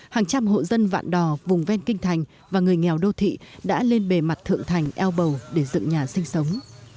hàng trăm hộ dân vạn đò vùng ven kinh thành và người nghèo đô thị đã lên bề mặt thượng thành eo bầu để dựng nhà sinh sống